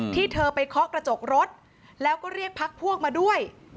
เธอไปเคาะกระจกรถแล้วก็เรียกพักพวกมาด้วย